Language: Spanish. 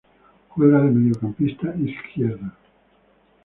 Juega de mediocampista izquierdo.